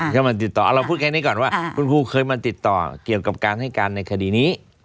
เข้ามาติดต่อเอาเราพูดแค่นี้ก่อนว่าคุณครูเคยมาติดต่อเกี่ยวกับการให้การในคดีนี้